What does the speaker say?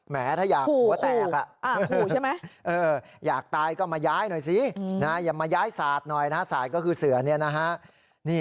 แม้ถ้าอยากก็แตกอยากตายก็มาย้ายหน่อยสิอย่ามาย้ายสาดหน่อยนะสายก็คือเสือนี่นะฮะ